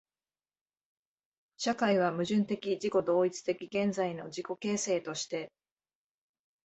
社会は矛盾的自己同一的現在の自己形成として、